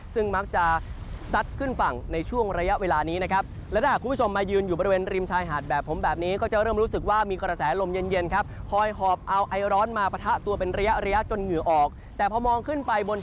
ซึ่งมักจะซัดขึ้นฝั่งในช่วงระยะเวลานี้นะครับ